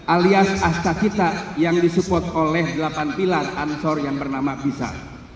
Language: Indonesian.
alias astakita yang disupport oleh delapan pilar ansor yang bernama bisa